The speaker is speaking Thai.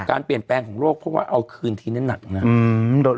การเปลี่ยนแปลงของโรคเพราะว่าเอาคืนทีนี้หนักนะ